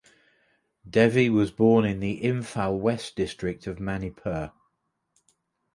Devi was born in the Imphal West district of Manipur.